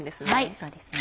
そうですね。